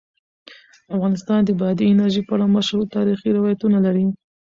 افغانستان د بادي انرژي په اړه مشهور تاریخی روایتونه لري.